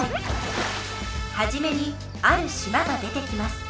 はじめにある島が出てきます。